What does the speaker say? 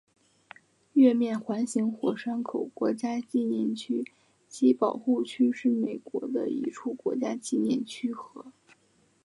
月面环形火山口国家纪念区及保护区是美国的一处国家纪念区和。